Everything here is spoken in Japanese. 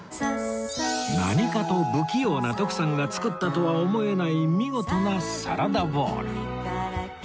何かと不器用な徳さんが作ったとは思えない見事なサラダボウル